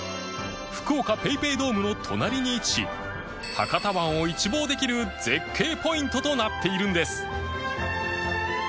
福岡 ＰａｙＰａｙ ドームの隣に位置し博多湾を一望できる絶景ポイントとなっているんです